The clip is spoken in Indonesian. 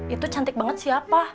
itu cantik banget siapa